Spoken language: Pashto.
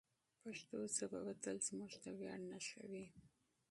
پښتو ژبه به تل زموږ د ویاړ نښه وي.